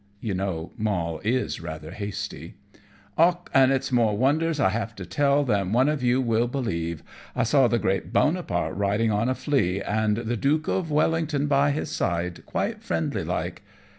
You know Moll is rather hasty. "Och, and it's more wonders I have to tell than one of you will believe. I saw the great Boneparte riding on a flea, and the Dook of Wellington by his side, quite friendly like."